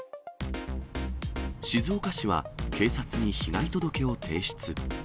静岡市は警察に被害届を提出。